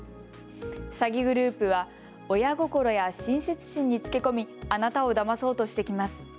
詐欺グループは親心や親切心につけ込みあなたをだまそうとしてきます。